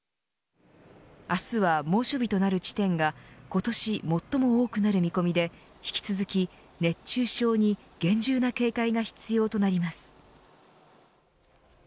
明日は猛暑日となる地点が今年最も多くなる見込みで引き続き熱中症に厳重な警戒が必要となります。